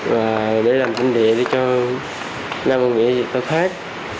và để làm tình địa để cho năm bà nghĩa thì tụi tôi khác